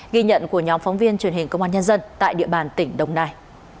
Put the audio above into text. ghi nhận của nhóm phóng viên truyền hình công an nhân dân tại địa bàn tỉnh đồng nai